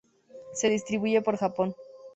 Se distribuye por Japón.